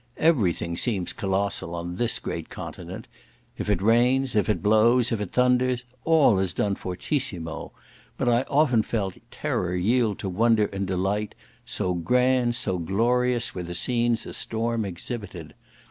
Every thing seems colossal on this great continent; if it rains, if it blows, if it thunders, it is all done fortissimo; but I often felt terror yield to wonder and delight, so grand, so glorious were the scenes a storm exhibited.